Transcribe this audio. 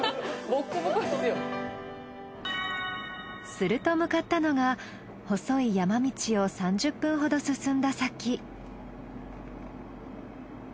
すると向かったのが細い山道を３０分ほど進んだ先。